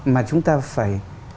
mà chúng ta phải